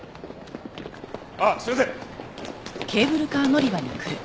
あっすいません！